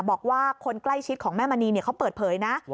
บอกว่าคนใกล้ชิดของแม่มณีเขาเปิดเผยนะ